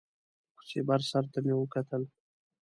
د کوڅې بر سر ته مې وکتل.